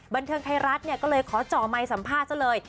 บันเทิงไทยรัฐเนี่ยก็เลยขอจ่อไมค์สัมภาษณ์ซะเลย